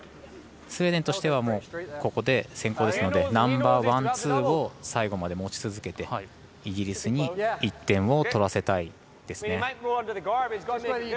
スウェーデンとしてはここで先攻ですのでナンバーワン、ツーを最後まで持ち続けてイギリスに１点を取らせたいですね。